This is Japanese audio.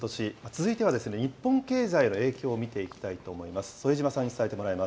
続いては、日本経済への影響を見ていきたいと思います。